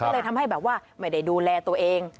ก็เลยทำให้แบบว่าไม่ได้ดูแลตัวเอง